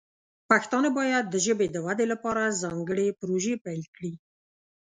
پښتانه باید د ژبې د ودې لپاره ځانګړې پروژې پیل کړي.